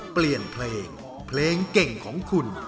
เปลี่ยนเพลงเพลงเก่งของคุณ